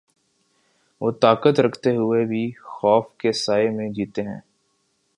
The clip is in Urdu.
وہ طاقت رکھتے ہوئے بھی خوف کے سائے میں جیتے ہیں۔